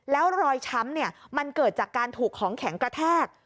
แล้วรอยช้ำมันเกิดจากการถูกของแข็งกระแทก